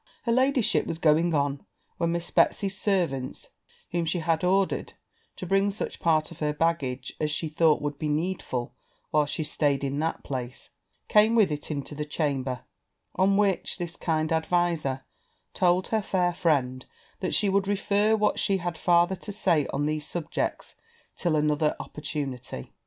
Her ladyship was going on, when Miss Betsy's servants, whom she had ordered to bring such part of her baggage as she thought would be needful while she staid in that place, came with it into the chamber; on which this kind adviser told her fair friend that she would refer what she had farther to say on these subjects till another opportunity.